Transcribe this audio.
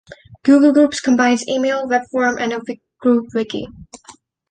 Google Groups combines email, web-forum, and a group wiki.